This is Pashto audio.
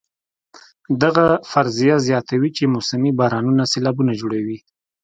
دغه فرضیه زیاتوي چې موسمي بارانونه سېلابونه جوړوي.